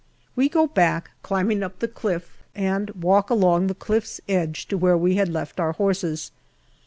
We go back, climbing up the cliff, and walk along the cliff's edge to where we had left our horses.